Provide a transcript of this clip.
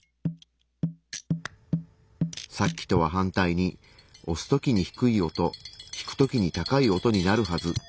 さっきとは反対に押すときに低い音引くときに高い音になるはず。